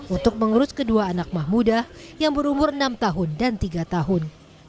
untuk mengurus kedua anak mahmudah yang berumur enam tahun dan tiga tahun